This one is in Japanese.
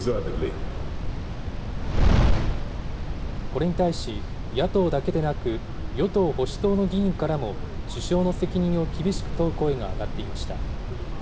これに対し、野党だけでなく、与党・保守党の議員からも、首相の責任を厳しく問う声が上がっていました。